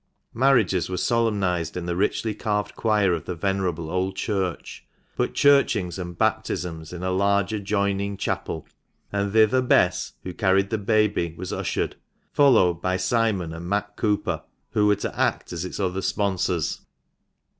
Marriages were solemnized in the richly carved choir of the venerable old Church, but churchings and baptisms in a large adjoining chapel ; and thither Bess, who carried the baby, was ushered, followed by Simon and Matt Cooper, who were to act as its other sponsors.